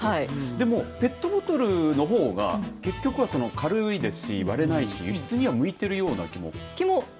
でもペットボトルのほうが結局は軽いですし、割れないし輸出には向いているような気も。